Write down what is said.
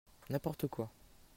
N’importe quoi